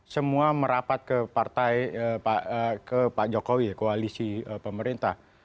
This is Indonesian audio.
semua merapat ke partai ke pak jokowi ya koalisi pemerintah